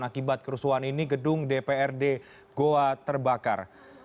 akibat kerusuhan ini gedung dprd goa terbakar